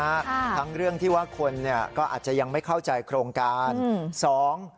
ทั้งเรื่องที่ว่าคนเนี้ยก็อาจจะยังไม่เข้าใจโครงการอืมสอง